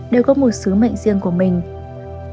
đều có một sứ mệnh riêng của mình